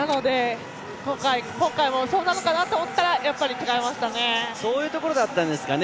今回もそうなるかなと思ったらやっぱり違いましたね。